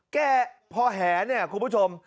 แก้พอแหเนี่ยคุณผู้ชม